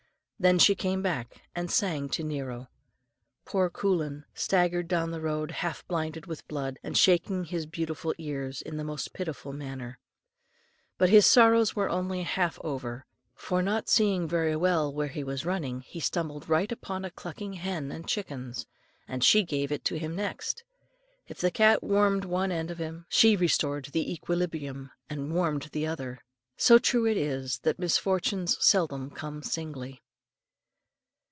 Then she came back, and sang to Nero. Poor Coolin staggered down the road, half blinded with blood, and shaking his beautiful ears in a most pitiful manner; but his sorrows were only half over, for not seeing very well where he was running, he stumbled right upon a clucking hen and chickens. And she gave it to him next. If the cat warmed one end of him, she restored the equilibrium, and warmed the other; so true is it that misfortunes seldom come singly.